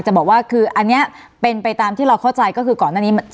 บอกว่าคืออันนี้เป็นไปตามที่เราเข้าใจก็คือก่อนหน้านี้